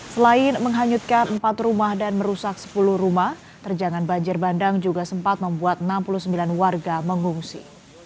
selain menghanyutkan empat rumah dan merusak sepuluh rumah terjangan banjir bandang juga sempat membuat enam puluh sembilan warga mengungsi